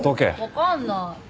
分かんない。